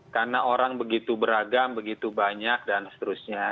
karena orang begitu beragam begitu banyak dan seterusnya